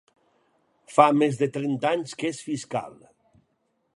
Fa més de trenta anys que és fiscal.